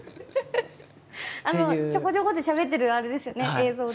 ちょこちょこってしゃべってるあれですよね映像で。